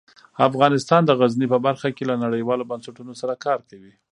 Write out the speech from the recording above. افغانستان د غزني په برخه کې له نړیوالو بنسټونو سره کار کوي.